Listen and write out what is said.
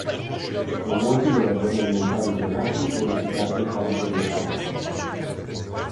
Sono molti gli allergeni alimentari isolati, purificati e caratterizzati.